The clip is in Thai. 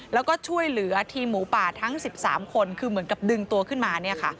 แล้วก็ช่วยเหลือทีมหมูป่าทั้ง๑๓คนคือเหมือนกับดึงตัวขึ้นมา